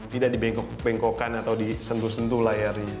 tidak dibengkok bengkokkan atau disentuh sentuh layarnya